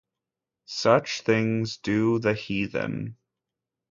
Such things do the heathen.